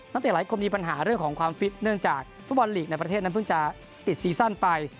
เตะหลายคนมีปัญหาเรื่องของความฟิตเนื่องจากฟุตบอลลีกในประเทศนั้นเพิ่งจะติดซีซั่นไป